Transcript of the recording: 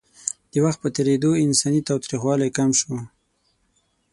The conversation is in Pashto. د وخت په تېرېدو انساني تاوتریخوالی کم شو.